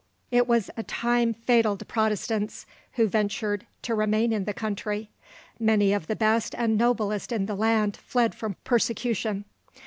It was a time fatal to Protestants who ventured to remain in the country. Many of the best and noblest in the land fled from persecution.